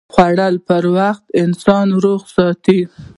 خوړل پر وخت انسان روغ ساتي